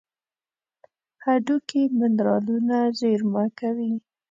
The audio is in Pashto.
هډوکي منرالونه زیرمه کوي.